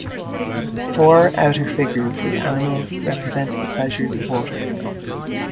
Four outer figures with animals represent the pleasures of water.